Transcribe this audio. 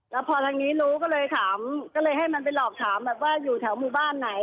แล้วพอทางนี้รู้ก็เลยถามก็เลยให้มันไปหลอกถามแบบว่าอยู่แถวหมู่บ้านไหน